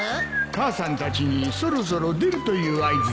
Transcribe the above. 母さんたちにそろそろ出るという合図だ。